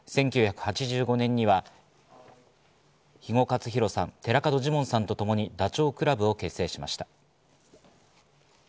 １９８５年には肥後克広さん、寺門ジモンさんとともにダチョウ倶楽部を結成しました。